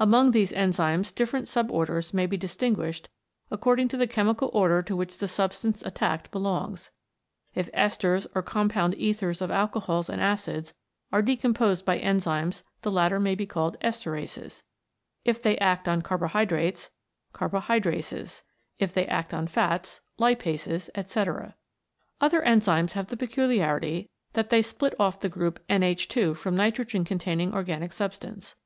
Among these enzymes different sub orders may be distinguished according to the chemical order to which the substance attacked belongs. If esters or compound ethers of alcohols and acids are decomposed by enzymes the latter may be called Ester ases; if they act on carbo hydrates, Carbohydrates; if they act on fats, Lipases, etc. Other enzymes have the peculiarity that they split off the group NH 2 from nitrogen containing organic substance.